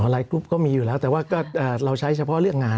หลายกรุ๊ปก็มีอยู่แล้วแต่ว่าก็เราใช้เฉพาะเรื่องงาน